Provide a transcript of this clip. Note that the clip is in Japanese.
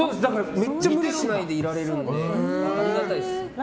めっちゃ無理しないでいられるんで、ありがたいです。